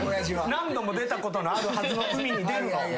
何度も出たことのあるはずの海に出るのを。